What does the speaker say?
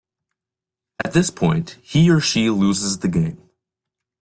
At this point, he or she loses the game.